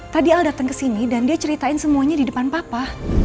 tadi al datang ke sini dan dia ceritain semuanya di depan papa